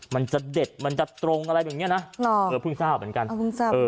มันจะเด็ดมันจะตรงอะไรแบบนี้นะเพิ่งทราบเหมือนกัน